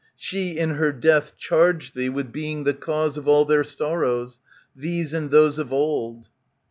She in her death charged thee with being the cause Of all their sorrows, these and those of old.